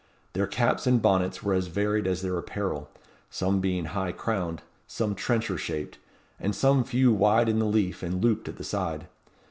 Their caps and bonnets were as varied as their apparel, some being high crowned, some trencher shaped, and some few wide in the leaf and looped at the side.